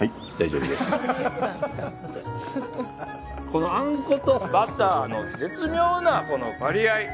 このあんことバターの絶妙な割合。